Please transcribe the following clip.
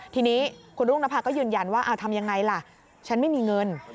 ทีนี้คุณรุ่งนภาก็ยืนยันว่าทำยังไงล่ะฉันไม่มีเงิน